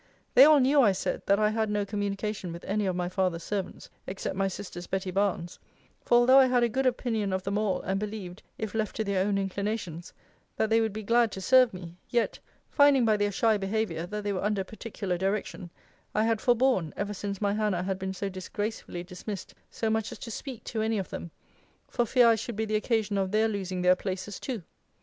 They all knew, I said, that I had no communication with any of my father's servants, except my sister's Betty Barnes: for although I had a good opinion of them all, and believed, if left to their own inclinations, that they would be glad to serve me; yet, finding by their shy behaviour, that they were under particular direction, I had forborn, ever since my Hannah had been so disgracefully dismissed, so much as to speak to any of them, for fear I should be the occasion of their losing their places too.